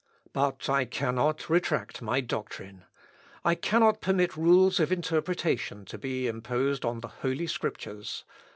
But I cannot retract my doctrine. I cannot permit rules of interpretation to be imposed on the Holy Scriptures.